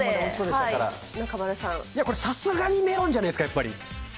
これ、さすがにメロンじゃないですか、やっぱり。